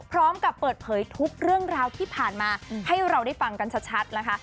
พร้อมกับเปิดเผยทุกเรื่องราวที่ผ่านมาให้เราได้ฟังกันชัดนะคะ